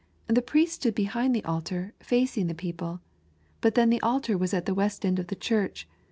" The priest stood hehind the altar, facing the people. But then the altar was at the west end of the church.